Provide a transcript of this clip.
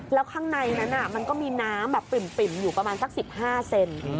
แล้วข้างในนั้นมันก็มีน้ำแบบปิ่มอยู่ประมาณสัก๑๕เซน